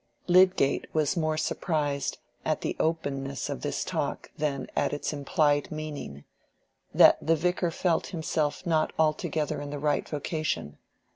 Lydgate was more surprised at the openness of this talk than at its implied meaning—that the Vicar felt himself not altogether in the right vocation.